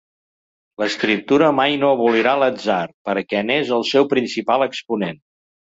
L'escriptura mai no abolirà l'atzar, perquè n'és el seu principal exponent.